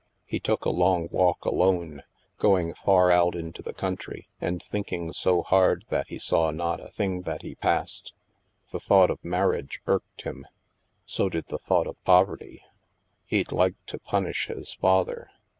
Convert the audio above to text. He took a long walk alone, going far out into the country, and thinking so hard that he saw not a thing that he passed. The thought of marriage irked him. So did the thought of poverty. He'd like to punish his father.